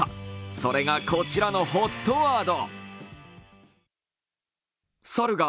それがこちらのＨＯＴワード。